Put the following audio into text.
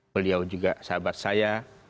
beliau juga sahabat saya